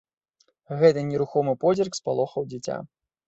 Гэты нерухомы позірк спалохаў дзіця.